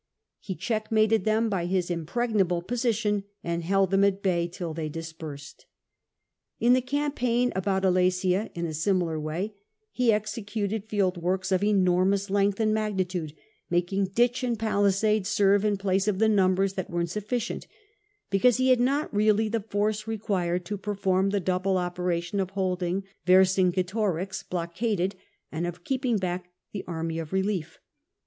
He checkmated them by his impregnable position, and held them at bay till they dispersed. In the campaign abotit Alcsia, in a similar way, he executed field works of enormous length and magnitude, Ttiaking <iitcli and palisade serve in place of the numbers that wtw instdlicient, because he had not really the force recfuired io perform the double operation of holding Vercingt'torix blockaded and of keeping back the army of relief.